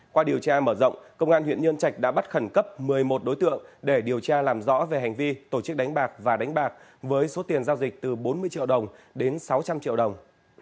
qua điều tra mở rộng công an huyện nhân trạch đã bắt khẩn cấp một mươi một đối tượng để điều tra làm rõ về hành vi tổ chức đánh bạc và đánh bạc với số tiền giao dịch từ bốn mươi triệu đồng đến sáu trăm linh triệu đồng